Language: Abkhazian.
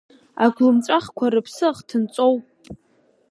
Агәлымҵәахқәа рыԥсы ахҭынҵоуп!